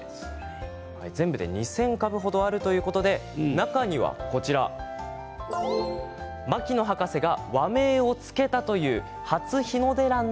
全部で２０００株程あるということで中には牧野博士が和名を付けたという、はつひのでらん